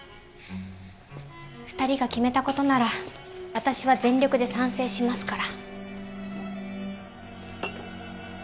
２人が決めた事なら私は全力で賛成しますから。